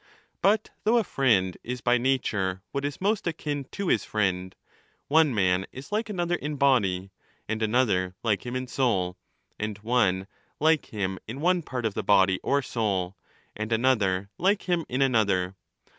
But though a friend is by nature what is ^ most akin to his friend, one man is like another in body, and another like him in soul, and one Hke him in one part of the body or soul, and another like him in another.